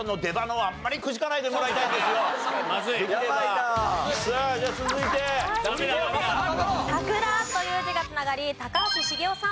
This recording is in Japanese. はい続いて「桜」という字が繋がり高橋茂雄さん。